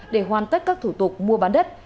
để hoàn tất các thủ tục mua bán đất